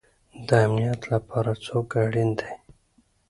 د امنیت لپاره څوک اړین دی؟